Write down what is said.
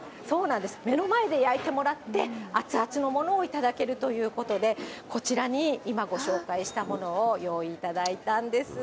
目の前で焼いていただいて、熱々のものを頂けるということで、こちらに今、ご紹介したものを用意いいなー。